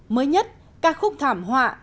mới nhất ca khúc thảm hoa